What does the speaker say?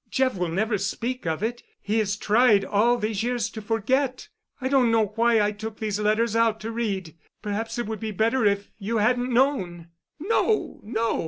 Jeff will never speak of it. He has tried all these years to forget. I don't know why I took these letters out to read. Perhaps it would be better if you hadn't known——" "No, no.